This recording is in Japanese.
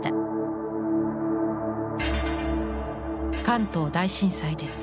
関東大震災です。